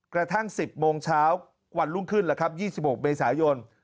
กระทั่ง๑๐โมงเช้าวันรุ่งขึ้นแล้วครับ๒๖เมษายน